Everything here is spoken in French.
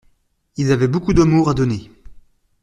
Ils avaient beaucoup d’amour à donner.